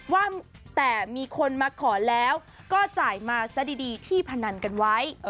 ว่าแต่มีคนมาขอแล้วก็จ่ายมาซะดีที่พนันกันไว้